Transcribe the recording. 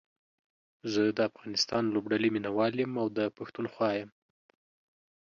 زه دا افغانستان لوبډلې ميناوال يم او دا پښتونخوا يم